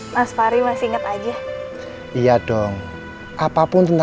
diang harap bukit itu